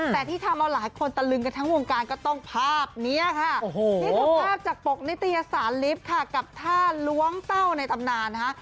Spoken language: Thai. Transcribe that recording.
แต่ที่ทำเอาหลายคนตะลึงกันทั้งวงการก็ต้องภาพนี้ค่ะนี่คือภาพจากปกนิตยสารลิฟต์ค่ะกับท่าล้วงเต้าในตำนานนะคะ